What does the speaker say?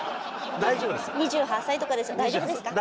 ２８歳とかで大丈夫ですか？